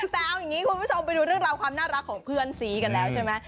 แต่เอาอย่างนี้คุณผู้ชมไปดูเรื่องราวความน่ารักของเพื่อนสีกันแล้วใช่ไหม